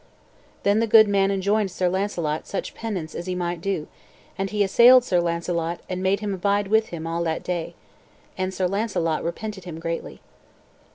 Then the good man enjoined Sir Launcelot such penance as he might do, and he assailed Sir Launcelot and made him abide with him all that day. And Sir Launcelot repented him greatly.